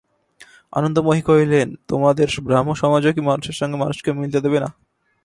আনন্দময়ী কহিলেন, তোমাদের ব্রাহ্মসমাজও কি মানুষের সঙ্গে মানুষকে মিলতে দেবে না?